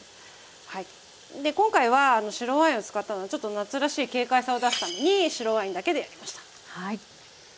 で今回は白ワインを使ったのはちょっと夏らしい軽快さを出すために白ワインだけでやりました。